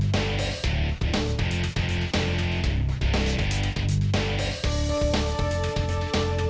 caregiversnya tuh orang sekalian asyik serah ya